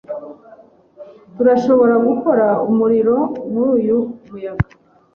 Turashobora gukora umuriro muri uyu muyaga?